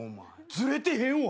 ずれてへんわ。